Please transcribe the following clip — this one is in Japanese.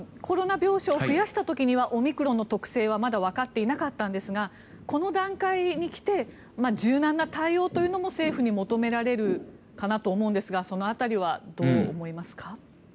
コロナ病床を増やした時にはオミクロンの特性はまだわかっていなかったんですがこの段階に来て柔軟な対応というのも政府に求められるかなと思うんですがその辺りはどう思いますか？